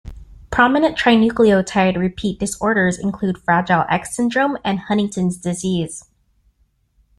Prominent trinucleotide repeat disorders include Fragile X syndrome and Huntington's disease.